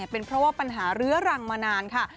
เป็นเพราะว่าปัญหาเรื้อรังมานานค่ะ